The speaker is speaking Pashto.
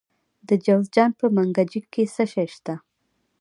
د جوزجان په منګجیک کې څه شی شته؟